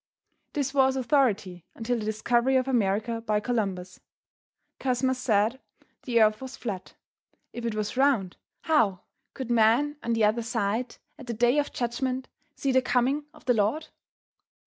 This was authority until the discovery of America by Columbus. Cosmas said the earth was flat; if it was round how could men on the other side at the day of judgment see the coming of the Lord?